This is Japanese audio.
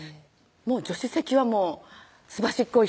助手席はもうすばしっこい